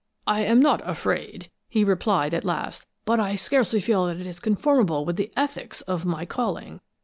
"I am not afraid," he replied, at last, "but I scarcely feel that it is conformable with the ethics of my calling.